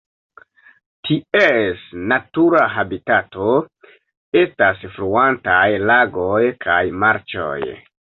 Ties natura habitato estas fluantaj lagoj kaj marĉoj.